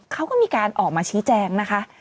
เขาก็มีการออกมาชี้แจงนะคะ